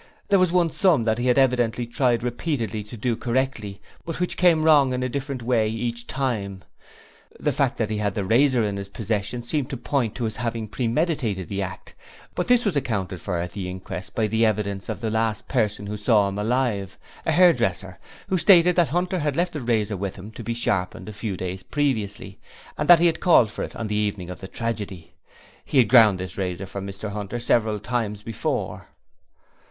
There was one sum that he had evidently tried repeatedly to do correctly, but which came wrong in a different way every time. The fact that he had the razor in his possession seemed to point to his having premeditated the act, but this was accounted for at the inquest by the evidence of the last person who saw him alive, a hairdresser, who stated that Hunter had left the razor with him to be sharpened a few days previously and that he had called for it on the evening of the tragedy. He had ground this razor for Mr Hunter several times before.